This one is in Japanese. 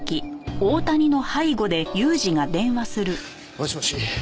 もしもし？